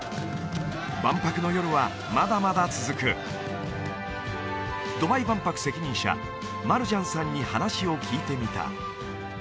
万博の夜はまだまだ続くドバイ万博責任者マルジャンさんに話を聞いてみた